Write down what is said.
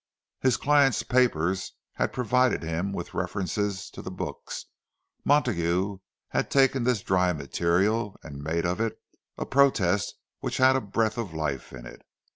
His client's papers had provided him with references to the books; Montague had taken this dry material and made of it a protest which had the breath of life in it.